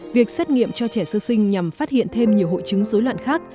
việc xét nghiệm cho trẻ sơ sinh nhằm phát hiện thêm nhiều hội chứng dối loạn khác